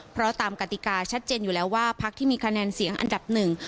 เพราะตามกติกาชัดเจนอยู่แล้วว่าพักที่มีคะแนนเสียงอันดับหนึ่ง